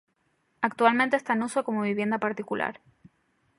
Actualmente está en uso como vivienda particular.